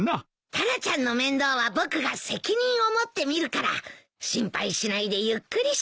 タラちゃんの面倒は僕が責任を持って見るから心配しないでゆっくりしてきてね。